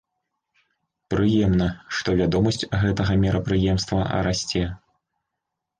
Прыемна, што вядомасць гэтага мерапрыемства расце.